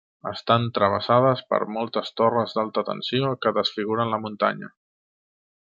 Estan travessades per moltes torres d'alta tensió que desfiguren la muntanya.